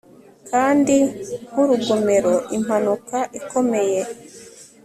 Kandi nkurugomero impanuka ikomeye